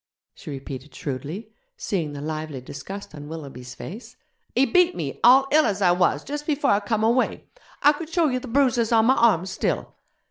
she repeated shrewdly, seeing the lively disgust on Willoughby's face, 'he beat me, all ill as I was, jus' before I come away. I could show you the bruises on my arms still.